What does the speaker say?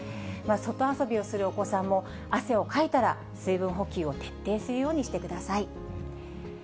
外遊びをするお子さんも、汗をかいたら、水分補給を徹底するようにしてください。